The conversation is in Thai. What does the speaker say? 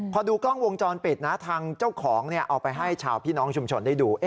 พอดูกล้องวงจรปิดนะทางเจ้าของเอาไปให้ชาวพี่น้องชุมชนได้ดู